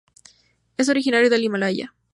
Es originario del Himalaya.